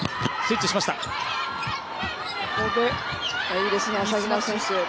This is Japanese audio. いいですね、朝比奈選手。